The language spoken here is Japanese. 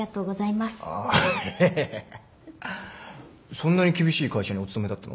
そんなに厳しい会社にお勤めだったの？